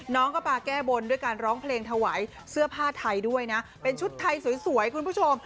น้องก็มาแก้บนด้วยการร้องเพลงถวายเสื้อผ้าไทยด้วยนะเป็นชุดไทยสวยคุณผู้ชม